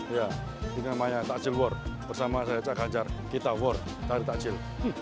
ya ini namanya takjil work bersama saya cak hajar kita work dari takjil